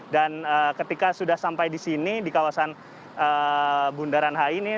dan ketika sudah sampai di sini di kawasan bundaran ai ini